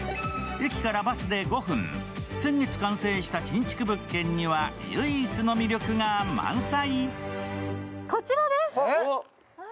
駅からバスで５分、先月完成した新築物件には唯一の魅力が満載。